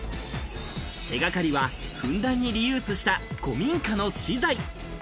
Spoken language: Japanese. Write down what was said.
手掛かりはふんだんにリユースした古民家の資材。